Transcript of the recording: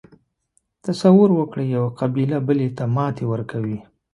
تصور وکړئ یوه قبیله بلې ته ماتې ورکوي.